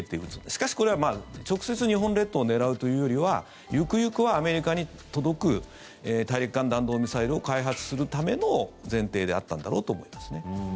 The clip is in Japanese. しかし、これは直接日本列島を狙うというよりは行く行くは、アメリカに届く大陸間弾道ミサイルを開発するための前提であったんだろうと思いますね。